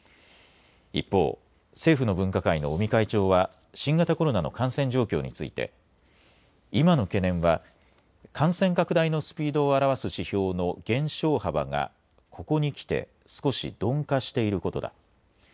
一方、政府の分科会の尾身会長は新型コロナの感染状況について今の懸念は感染拡大のスピードを表す指標の減少幅が、ここにきて少し鈍化していることだ。